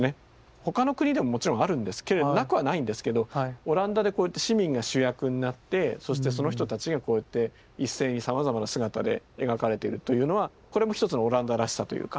他の国でももちろんあるんですけれどなくはないんですけどオランダでこうやって市民が主役になってそしてその人たちがこうやって一斉にさまざまな姿で描かれているというのはこれも一つのオランダらしさというか。